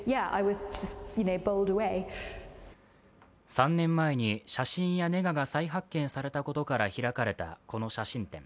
３年前に写真やネガが再発見されたことから開かれたこの写真展。